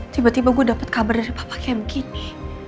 tiba tiba gue dapat kabar dari papa kayak begini